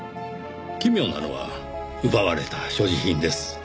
奇妙なのは奪われた所持品です。